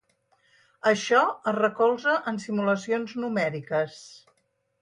Això es recolza en simulacions numèriques.